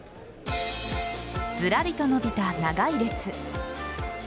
ずらりと伸びた長い列。